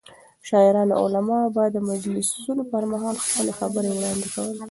شاعران او علما به د مجلسونو پر مهال خپلې خبرې وړاندې کولې.